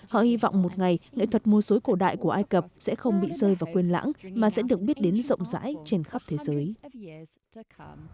họ hy vọng một ngày nghệ thuật mua dối cổ đại của ai cập sẽ không bị rơi vào quyền lãng mà sẽ được biết đến rộng rãi trên khắp thế giới